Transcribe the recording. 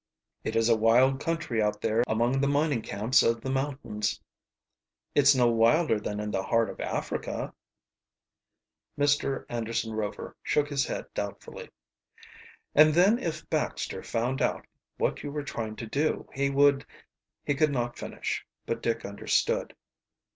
"It is a wild country out there among the mining camps of the mountains." "It's no wilder than in the heart of Africa." Mr. Anderson Rover shook his head doubtfully. "And then if Baxter found out what you were trying to do he would " He could not finish, but Dick understood.